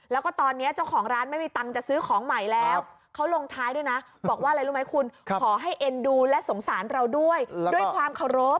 แล้วก็ตอนนี้เจ้าของร้านไม่มีตังค์จะซื้อของใหม่แล้วเขาลงท้ายด้วยนะบอกว่าอะไรรู้ไหมคุณขอให้เอ็นดูและสงสารเราด้วยด้วยความเคารพ